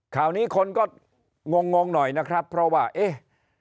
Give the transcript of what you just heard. ข่าวนี้คนก็งงงหน่อยนะครับเพราะว่าเอ๊ะ